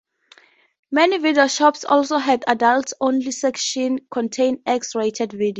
Many video shops also had adults-only sections containing X-rated videos.